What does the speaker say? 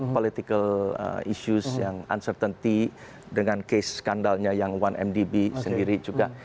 political issues yang uncertainty dengan case skandalnya yang satu mdb sendiri juga